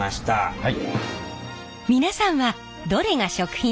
はい。